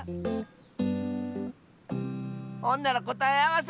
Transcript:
ほんならこたえあわせ！